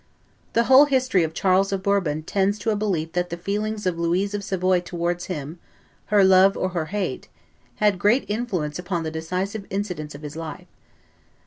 The whole history of Charles of Bourbon tends to a belief that the feelings of Louise of Savoy towards him, her love or her hate, had great influence upon the decisive incidents of his life.